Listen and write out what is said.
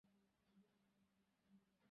কথা বলিতে পারি নাই, চিন্তাশক্তি তখন লুপ্তপ্রায়।